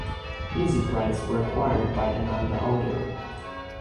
Music rights were acquired by Ananda Audio.